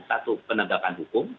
satu penegakan hukum